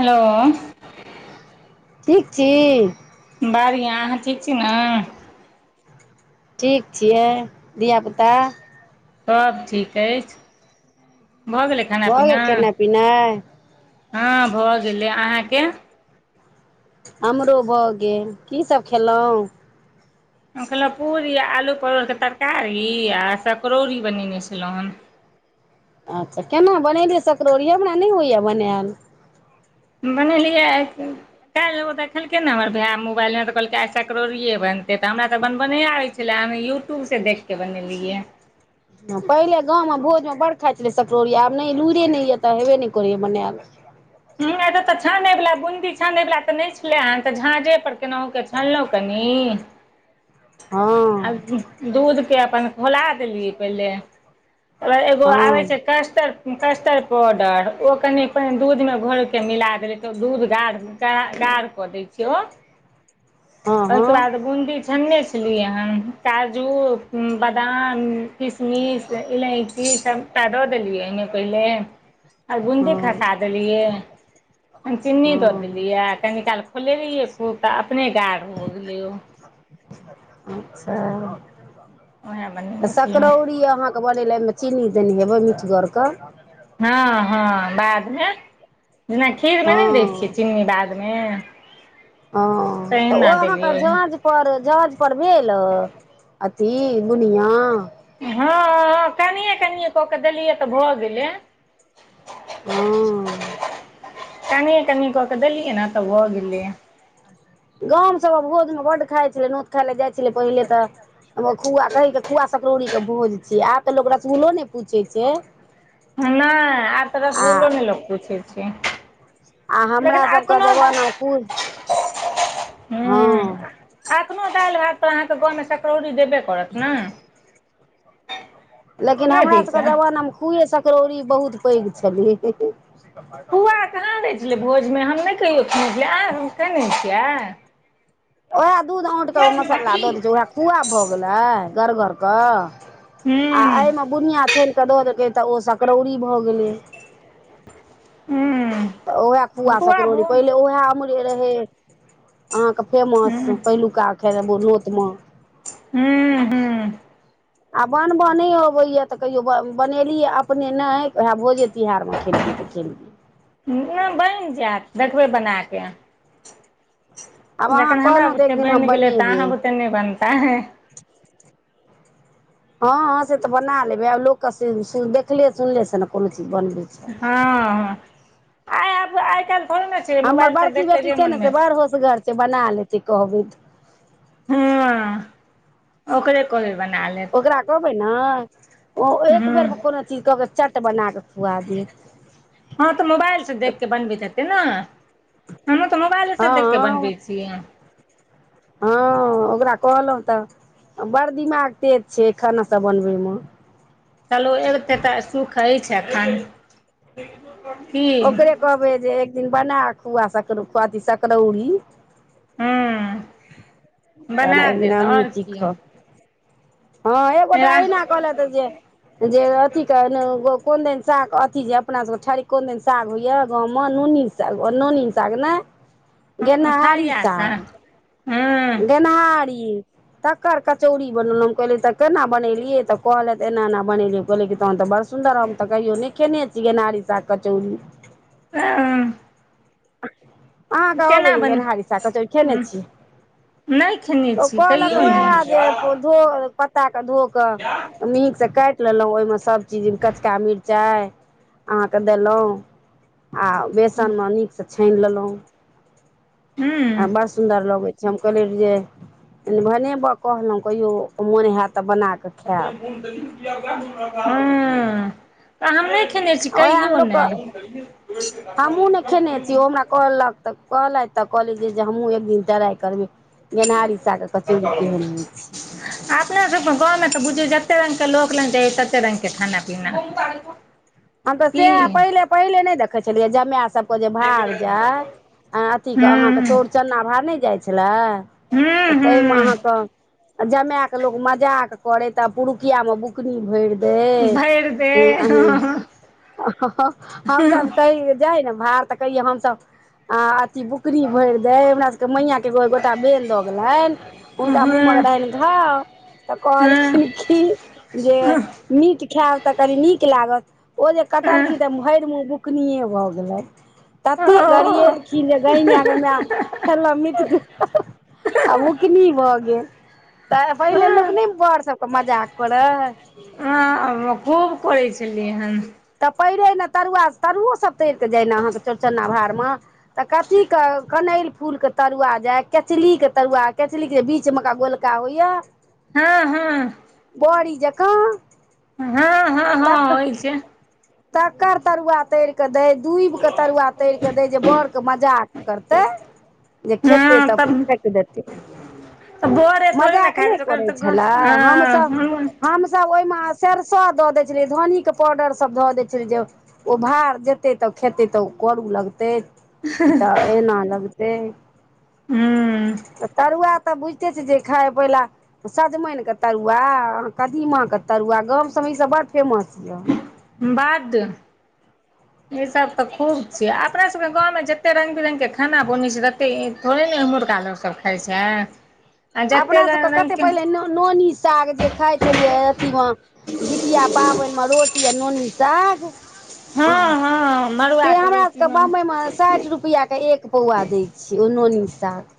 Hello ठीक छी बढ़िआँ अहाँ ठीक छी नऽ ठीक छियै धियापुता सब ठीक अछि भऽ गेलै खाना भऽ पीना गेल खेनाइ पिनाइ हँ भऽ गेलै अहाँके हमरो भऽ गेल की सब खेलौं हम खेलौ पूरी आलू परोड़ के तरकारी आ सकरौरी बनेने छलौ हम अच्छा केना बनेलियै सकरौरी यै हमरा नै होइए बनायल बनेलिया आई कि काल्हि देखलक ने हमर भाय मोबाइलमे तऽ कहलके आइ सकरौरी बनतै तऽ हमरा तऽ बनब नै आबै छै कैला आंहा यूट्यूबसँ देख क बनेने रहियै पहिले गांव म भोज मे बड़ खाइ छलियै सकरौरी आब नै लुइरे नय यै त हेबे नै करैया बनेऽल हमरा एत त छानै वला बूंदी छानेवला त नै छलेहे तऽ झाझे पर केनाहु कऽ छानलौं कनि हूँ आ हँ दूधके अपन खौला देलीयै पहिले आ एगो हँ आबै छै कष्टर कस्टर पाउडर ओ कनि पनि दूधमे घोर के मिला देबै तऽ दूध गाढ़ गाड़ गाड़ कऽ दै छै [inaudible] ओइ केऽ हँ बाद बूंदी छनने छलियै हम काजू बादाम किशमिश इलैची सबटा दऽ दलियै अय मे पहिले आओर बूंदी हँ खसा देलियै चीन्नी दऽ हँ देलियै कनी काल खोलेलियै खूब तऽ अपने गाड़ भऽ गेलैया अच्छा [inaudible] तऽ छलहुँ सकरौरी अहाँ के बनैले ओहिमे चीनी देने हेबै मीठगरक हँ हँ बादमे जेना खीरमे नहि दै छियै हँ चिन्नी बादमे हं त ओ तहिना अहाँके देलियै ओहिमे। झां झांझ पर भेल अथि बुनिया हँ कनिए कनिए कऽ केऽ देलियै तऽ भऽ गेलै हँ कनिये कनी क क देलियै न त भ गेलैया गाम सभ मे भोज मे बड्ड खाइ छलै नोत खाय ले जाय छलै पहिले त हॅं खोआ दहि के खोआ सकरौड़ी के भोज छियै आब त लोक रसगुलो ने पूछै छैय नैय आब त रसगुलो नैय लोक पूछै छैय आ हमरा सभके जवाना कुस हँ अखनो दाइल भात पर अहाँके गाँवमे सकड़ौरी देबे करत नाई लेकिन हमरा सबके जमाना मे खुये सकड़ौरी बहुत पैघ छलै हीं हीं फुआ कहाँ दै छलै भोज मे हम नहि कहियो खेने छेलियै आंहा सब खेने छियै ओएहे दूध औंट क मसाला द दै छैय ओएहे खोआ भ गेलै गढ़गर क आ हूँ अयमे बुनियाँ छैन क द देलियै त ओ सकड़ौरी भऽ गेलै त हूँ ओहे पुआ फुआ भो सकड़ौरी पहिले ओहे हम से रहै अहाँके फेमस हूँ पहिलुका खैर म नोत म हूं हूं आ बनब नइ अबै या त कहियो ब बनेलियै अपने नइ ओहेय भोजे तिहारमे खेलियै त खेलियै। ऊं बइन जायत देखबै बना के [inaudible] आब आहाँ हमरा कहलौं त एक बुते दिन हम बनि गेलै तऽ बनेबै अहाँ बुते नहि बनतै [inaudible] हँ हँ से त बना लेबै आब लोक सि सिल देखले सुनले से ने कोनो चीज बनबै छैय हँ आय आब आय काइल हमर बड़की बेटी छै ने से बर होसगर छै बना लेतै कहबै त हूॅं ओकरे कोहबै बना लेत ओकरा कहबै न ओ एक हँ बेर मे कोनो चीज कहबै चट बना क खुआ देत। हँ त मोबाइल से देख के बनबैत हेतै न। हमहूँ तऽ मोबाइले से देख क हँ बनबै छिये हँ ओकरा कहलौ त बड़ दिमाग तेज छै एखन ओकरा बनबै चलु अइबते त सुख अछि अखन [unintelligible] ओकरे कहबै जे एक दिन बना खोअ सकरो अथी सकरौरी हँ बना तहन एक दिन देत हमहूॅं आओर की सिखब ह एक गोटा अहिना कहलक जे जे अथी क गो कोन दिन साग अथी जे अपना ठरि कोन दिन साग होइय गाव मे नोन्नी जा ओ नोनी साग नैय गेनहारी थरिया सँ साग हँ गेनहारी तकर कचौड़ी बलनौ कलियै त केना बनेलियै, त कहलैथ एना एना बनेलियै, कहलियै तहन तऽ बर सुन्दर हम तऽ कहियो नहि खयने छियै गेनहारी साग कचौरी भेअ अहाँकेँ आबै केना य बन गेनहारी साग कचौड़ी खेने छी नहि खेने तऽ छी कहलक कहियौ ने ओएह जे बोलि पोरो पत्ता के धो कऽ नीक स काइट देलौ ओयमे सभचीज कचका मिरचाइ अहाँकेँ देलौ आ बेसन ममी सऽ छीन लेलौ आ हूँ बस्स सुन्दर लगै छै हम कहने रहियै जे भने ब कहलौ कहिओ मोन हेयत तऽ बना कऽ [unintelligible] खायब हूॅं त हम नहि खेने छी ओएह कहियो लोकके नहि हमहूँ नहि खेने छी ओ हमरा कहलक त कहलथि त कहलियै जे हमहूँ एक दिन टराइ करबे गेनहारी साग के कछोरी नैय छैय अपना सभके गाव मे तऽ बुझियौ जतेक रंगके लोक लग जाबै ततेक रंगके खाना पीना हम तऽ की हूँ सएह पहिले पहिले नहि देखै छलियै जमा सभ को जे भार जाय अथी के अहाँकेँ चौरचना भार ने जाय छले हूँ तऽ ताहिमे हूँ अहाँकेँ आ जमाए कऽ लोक मजाक करै तऽ आब पुरुकियामे बुकनी भरि द खेल दे। हमसभ कह जाइ ने भार तऽ कहियै हमसभ आ अथी बकरी भरि। दे हमरा सभके मैया केगो गोटा बन दऽ गेलनि हूँ हुनका मुँह हूँ रहनि घाव तऽ कहलखिन कि जे मीट खायब तऽ कनी नीक लागत ओ जे कटलखिन तऽ भरि मे बुकनि भऽ गेलै तते गड़एलखिन जे गाय माय खेलहु मिट आ उकनी भऽ गेल तऽ पहिल लोक हूँ नहि पढ़ सक मजाक करे खूब करै छलियै हन। तब पैरै ने तरुआ तरुओसभ तर कऽ जाय ने अहाँकेँ चौड़चन्ना भारमे तऽ कथीके कनैल फूलके तरुआ जा केचली के तरुआ केचलीके बीचमेकरा गोल गावैया। हँ। हँ बरी जकाँ तक ठीक छै [unintelligible] तकर तरुआ तैर के दै दुईभ के तरुआ तैर क दै जे बड़ के मजाक करतै जे खेतै हँ त तब फेक देतै तऽ बोरे थोड़े ने मजाक नै खाइ छै ओकर करै तऽ छलाय हमस हँ हूँ हमस ओयमास सरसो द दै छलियै धनी के पाउडर स सब धऽ दै छलियै जे ओ भार जेतै तऽ खेतै तऽ ओ करू लगतै तऽ एना लगते तऽ तरुआ तऽ बुझिते छीयै जे खाय पहिला सजमनिके तरुआ कदीमाके तरुआ गामसबमे ईसब बड्ड फेमस य बाद ई सब तऽ खूब छैयै अपना सबके गाँव जते रंग बिरंग के खाना बनै छै तते थोड़े ने इहुरका लोकसभ खाय छाय अपना सबके कतेक पहिले नानोनी साग जे खाइ छलियै अथीमे जितिया पाबनिमे रोटी आ नोनी साग हँ हँ से मड़ुआके हमरा सभके रोटीमे बम्बइमे साठि रुपयाके एक पौआ दै छियै ओनोनि साग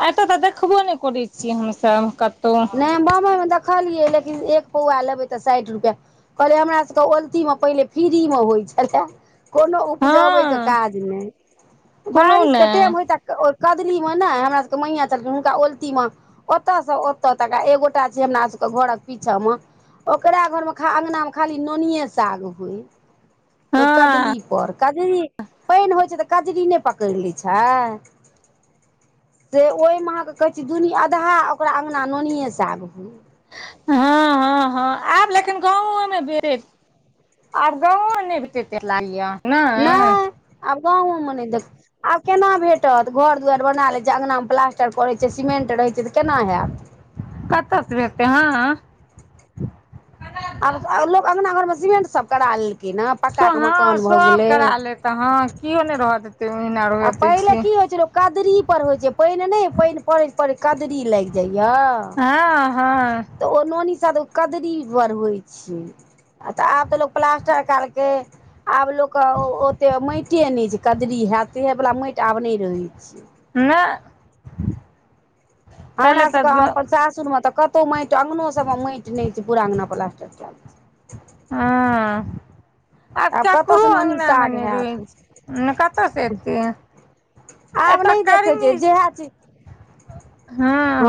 आ एतय तऽ देखबो नय करै छियै हमसभ कत नय हम बम्बइमे देखलियै लेकिन एक पौआ लेबै तऽ साठि रुपैआ कहलियै हमरासबके ओलतीमे पहिले फ्रीमे होइत छलए कोनो उपजबैके हँ काज नय कोनो बारिशके नहि टेम होइता कदली मे नै हमरा सबके मैंया छलखिन हुनका ओलतीमे ओतयसँ त तका एगोटा छै हमरा सबके घरक पीछा मे ओकरा घरमे ख अँगनामे खाली नोनिए साग होइ ओहि हँ कदलीपर कजरी पानि होइ छै तऽ कजरी नय पकड़ि लैत छै से ओहिमक कहैछी दुनि अधा ओकरा अङ्गना नोनियएसग होय हँ हँ हँ आब लेकिन गाँवो मे [unintelligible] आब गाँंवो नय भेटै तेे लाय नय आब गाँवो मे नै देख आब केना भेटत घर दुआईर बना लै छियै, अंगनामे प्लास्टर करै छै, सीमेंट रहै छै त केना हाएत। कतस भेतै हँ हँ आब लोक अंगना घर मे सीमेंट सब करा लेलकैन तो हाँ सब करा लेत हाँ कियो ने रहत आ पहिले एते की [unintelligible] होइ छै लोक कदरी पर होय छै, पेएन नै पेएन पड़ैत पड़ैत कदरी लाग जाय या। हाँ। तऽ ओ नोनी साद कदरी पर होइछै तऽ आब त लोग प्लास्टर काल के आब लोक ओते माटि नय छै कदरी हयत तेह वाला माटि आब नय रहैत छै नअ हमरा सबके सासुर मे तऽ कतहु माटि अंगनो सब मे माटि नै छै पूरा अंगना पलास्टर काएल हँ आब छै केकरो कतयसँ नोनी अगना मे साग नै रुहै हैत छै कतऽ स एत ए आब तऽ नहि देखै करनी छै जएह चीज हँ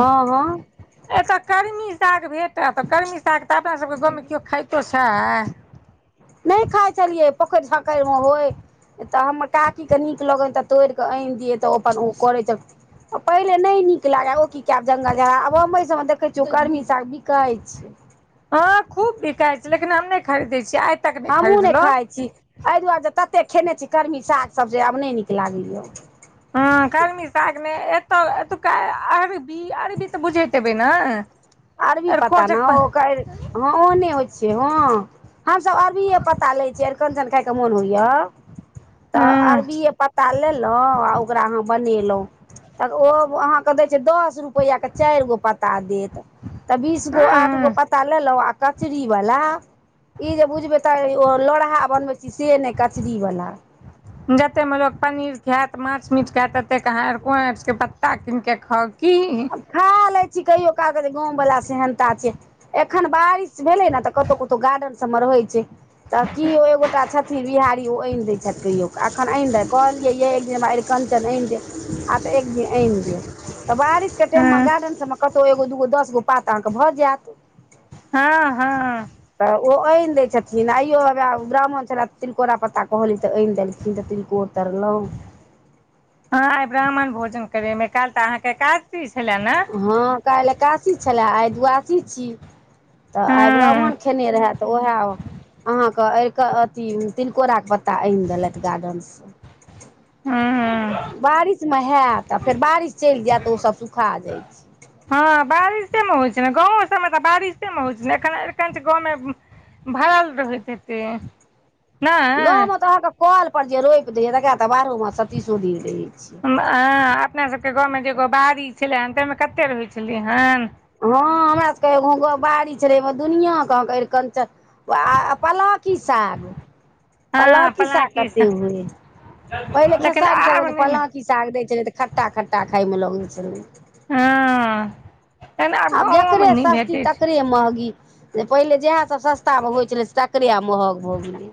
ए तऽ कर्मी साग भेटत तऽ कर्मी साग तऽ अपनासबके गाँवमे केओ खाइतो छैय नय खाइ छलियै पोखरि झाकरि मे होइ तऽ हमर काकीके नीक लगनि तऽ तोड़ि कऽ आनि दियै तऽ ओ अपन ओ करैत छथि। पहिले नहि नीक लागे ओ की कब जंगल झगड़ा आब सभ मे देखै छिय गर्मीसँ बिकै छै अच्छा। हँ खूब बिका छै लेकिन हम नहि खरीदै छियै तक हमहूँ नहि खरीदलहुँ खाइत छी एहि दुआरे जे ततेक खेने छी कर्मी सागसभ जे आब नहि नीक लागैए। ह कर्मी सागमे एत एतुका अरबी अरबी त बुझैत एबै ने अरबी पता ने अरकोचक पर ओकर ह ओने होइ छियै हँ हमस अरबी पता ले छिये आर कनचन खााय के मोन होइया तऽ हँ अरबिए पत्ता लेलहुँ आ ओकरा अहाँ बनेलहुँ त ओ अहाँ दय छै दस रुपआ के चारि गो पता देत तऽ बीस गो आठ गो हँ पता लेलहुँ कचरी वाला ई जे बुझबै तऽ ओ लोढ़हा बनबै छी से नहि कचरी वाला जते मे लोग पनीर खायत माछ मिट खायत तते के अहाँ आ को के पत्ता कीन के खाउ की आब खा ले छी कहियो क क जे गाव वला सेहनता छै एखन बारिश भेले ने तऽ कतहु कतौ गार्डन सभ मे रहै छै तऽ कि ओ एगोटा अ बिहारी ओ आनि दै छथि कहिय अखन आनि दे कहलियै य, एक दिन अरकंचन आनि देब आ तऽ एक दिन आनि देब तऽ बारि। के टाइममे हँ गार्डन सभमे कतहु एगो दूगो दस गो पात अहाँकेँ भऽ जायत हँ हँ। तऽ ओ आनि दै छथिन आइयो ब्राह्मण छले तिलकोरा पत्ता कहली तऽ आनि देलखिन। चित तऽ कोतरलँ हँ आइ ब्राह्मण भोजन करे मे काल तऽ अहाँकेँ काजी छले ने हँ, काल्हि एकासी छले आइ दुआसी छी तऽ आइ हँ ब्राह्मण खेने रहत। तऽ ओएह अहाँकेँ अथी तिलनकोराके पत्ता आनि देलथि गार्डनसँ हँ हँ। बारिशमे होयत आ फेर बारिश चलि जायत त ओसभ सुखा जाइत छै। हँ बारिशेमे होइ छै ने गावो सभमे तऽ बारिशेमे होइ छै ने एखन एन गावमे भड़ाल रहै छै गाव मे तऽ अहाँकेँ कल पर जे रोपि दैय तकरा तऽ बाहरो मे सतीशोडीर रहै छियै। अ अपना सभके गावमे जे एगो बाड़ी छलै हेन ताहिमे कते रहै छलै हेन। हँ हमरा सभके एगो बारिश रहैमे दुनिआँ कह क पलव कि साग पलाव हँ की साग पलांकी कते से हुए। पहिले लेकिन खेसारी आब साग नहि ने पलाकि साग दै छलै तऽ खटटा खट्टा खायमे लगै छलै। हँ। तहन आब गाँवोमे जकरे नहि सस्ती भेटै छै तकरे महगी। पहिले जएहसभ सस्तामे होइ छलै तकरे आब महग भऽ गेलै।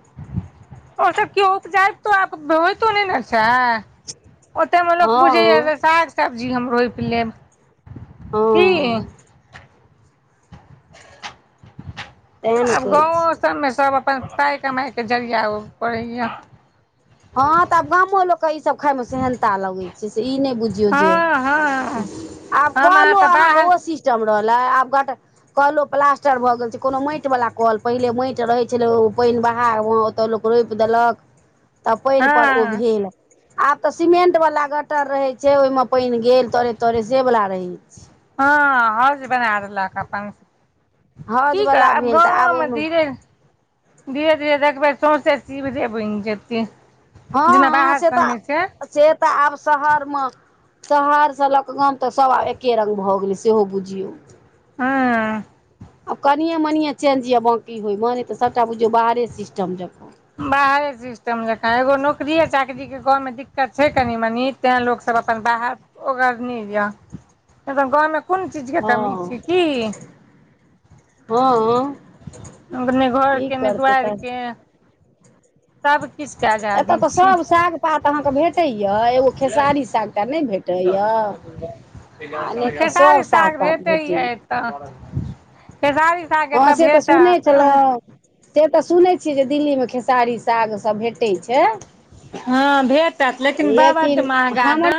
ओ सभ के उपजाइबतो आब त होइतो नहि ने छै ओते मे लोक बुझैये हँ जे साग सब्जी हम रोपि लेब। कि हँ तें ने आब कहै गावो छी सभ मे सभ अपन पाइ कमाय के जरिया ओ पड़ैये हँ तऽ आब गामो लोक के इ सभ खाायमे सेहन्ता लगै छै से इ नहि बुझियौ हँ जे हँ आब हम अहाँ कलो तऽ अहाँकेँ बाहर ओ सिस्टम रहलै आब गढ़ कलो प्लास्टर भऽ गेल छै कोनो माटि वाला कल पहिले माटि रहे छले ओ पानि बहा मे ओतऽ लोक रोपि देलक त पानि पर ओ हँ भेल आब तऽ सीमेट वला गटर रहे छैय ओहिमे पानि गेल तरे तरे से वला रहे छै। ह हौज बनाय लेलक अपन हौज की कह वला आब भेल तऽ गावो मे ओहिमे धीरे धीरे धीरे देखबै सौसे सीवरे बनि जतेक। ह ह से तऽ से तऽ आब शहर मे शहर से लऽ के गाव त सभ आब एके रंग भऽ गेलै सेहो बुझियौ हँ अब कनिये मनिये चेंज ये बाँकी माने तऽ सभटा बुझियौ बाहरे सिस्टम ये। बाहरे सिस्टम जेका एगो नौकरीये चाकरीक गाँव मे दिक्कत छै कनि मनी तेय लोक सभ अपन बाहर ओगरने एखन गाव मे कोन चीज के कमी छैय कि ह नहि की घरके नहि करतै तब दुआरिके सभकिछुके एतय आजादी तऽ छै सभ साग पात अहाँकेँ भेटैये एगो खेसारी साग टा नहि भेटै नहि तऽ सभ खेसारीक साग पात भेटैये भेटैए एतऽ। खेसारी। साग हँ एतऽ से ते सुनै भेटत छलहुँ। से ते सुनै छियै जे, दिल्ली मे खेसारी साग सभ भेटै छैय हँ भेटत लेकिन बड्ड महगा दम